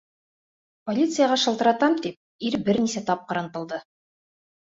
Полицияға шылтыратам, тип ир бер нисә тапҡыр ынтылды.